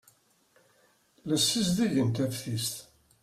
La ssizdigen taftist.